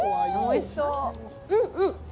うん！